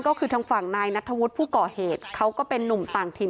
ก็คือทางฝั่งนายนัทธวุฒิผู้ก่อเหตุเขาก็เป็นนุ่มต่างถิ่น